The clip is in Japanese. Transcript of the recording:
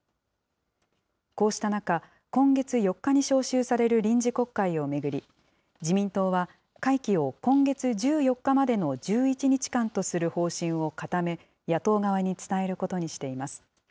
こうした中、今月４日に召集される臨時国会を巡り、自民党は会期を今月１４日までの１１日間とする方針を固め、野党側に伝えることにしています。